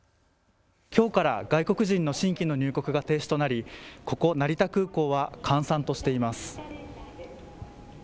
きょうから外国人の新規の入国が停止となり、ここ成田空港は閑散としています。